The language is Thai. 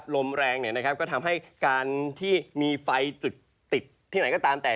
ลมแรงก็ทำให้การที่มีไฟจุดติดที่ไหนก็ตามแต่